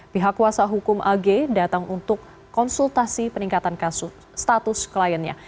pihak kuasa hukum ag datang untuk konsultasi peningkatan kasus kliennya